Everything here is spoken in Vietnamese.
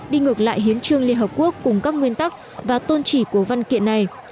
đi ngược lại hiến trương liên hợp quốc cùng các nguyên tắc và tôn chỉ của văn kiện này